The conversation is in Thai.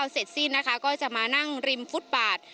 เสร็จสิ้นนะคะก็จะมานั่งริมฟุตบาท